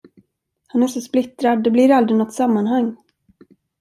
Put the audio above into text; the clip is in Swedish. Han är så splittrad, det blir aldrig något sammanhang.